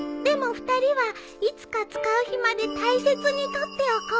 ２人は『いつか使う日まで大切に取っておこう』」